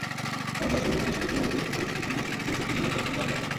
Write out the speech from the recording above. সমাজে অশুভ বুদ্ধির সঙ্গে শুভবুদ্ধির, অশুভ শক্তির সঙ্গে শুভশক্তির নিরন্তর সংগ্রাম দরকার।